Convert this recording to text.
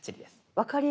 分かりやすい。